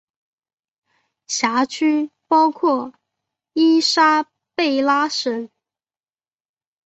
辖区包括伊莎贝拉省。